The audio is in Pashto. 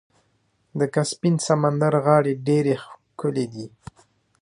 د کسپین سمندر غاړې ډیرې ښکلې دي.